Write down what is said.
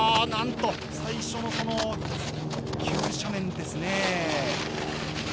なんと、最初の急斜面ですね。